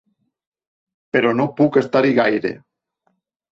Però no puc estar-hi gaire.